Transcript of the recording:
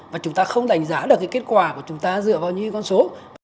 và chúng ta không đánh giá được cái kết quả của chúng ta dựa vào những con số